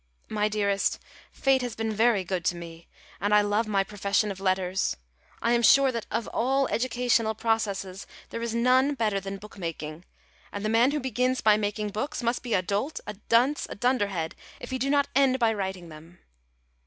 My dearest, Fate has been very good to me, and I love my profession of letters. I am sure that of all educational processes there is none better than book making; and the man who begins by making books must be a dolt, dunce, and dunderhead, if he do not end by writing them.